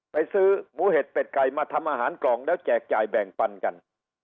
ซื้อหมูเห็ดเป็ดไก่มาทำอาหารกล่องแล้วแจกจ่ายแบ่งปันกัน